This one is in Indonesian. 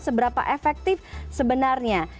seberapa efektif sebenarnya